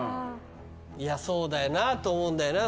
いやそうだよなと思うんだよな